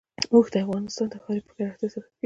اوښ د افغانستان د ښاري پراختیا سبب کېږي.